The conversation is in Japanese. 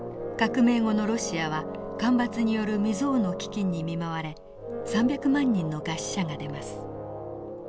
革命後のロシアは干ばつによる未曽有の飢きんに見舞われ３００万人の餓死者が出ます。